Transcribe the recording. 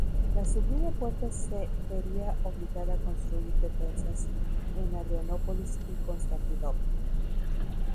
La Sublime Puerta see vería obligada a construir defensas en Adrianópolis y Constantinopla.